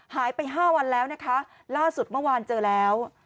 หายไป๕วันแล้วนะคะล่าสุดเมื่อวานเจอแล้ว